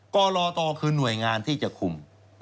กรตคือหน่วยงานที่จะคุม